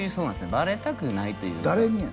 バレたくないという誰にや？